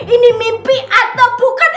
ini mimpi atau bukan